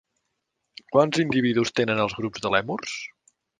Quants individus tenen els grups de lèmurs?